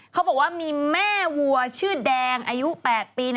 เขาบอกว่ามีแม่วัวชื่อแดงอายุ๘ปี